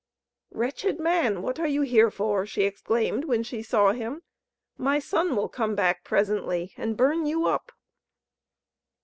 "Wretched man! what are you here for?" she exclaimed, when she saw him. "My son will come back presently and burn you up."